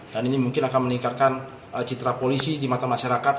dan ini mungkin akan meningkatkan citra polisi di mata masyarakat